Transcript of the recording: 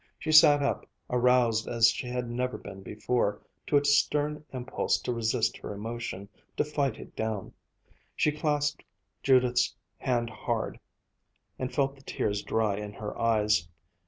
She sat up, aroused as she had never been before to a stern impulse to resist her emotion, to fight it down. She clasped Judith's hand hard, and felt the tears dry in her eyes.